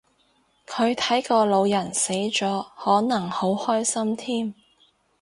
佢睇個老人死咗可能好開心添